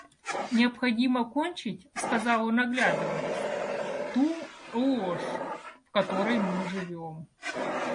Необходимо кончить, — сказал он оглядываясь, — ту ложь, в которой мы живем.